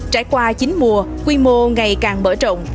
trải qua chín mùa quy mô ngày càng mở rộng